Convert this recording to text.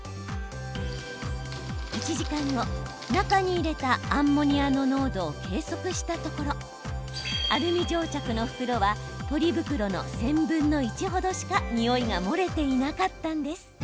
１時間後、中に入れたアンモニアの濃度を計測したところアルミ蒸着の袋はポリ袋の１０００分の１程しかにおいが漏れていなかったんです。